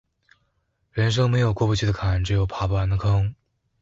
人生沒有過不去的坎，只有爬不完的坑